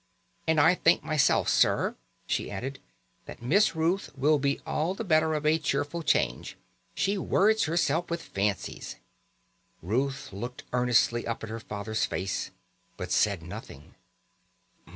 "And I think myself, sir," she added, "that Miss Ruth will be all the better of a cheerful change. She worrits herself with fancies." Ruth looked earnestly up at her father's face, but said nothing.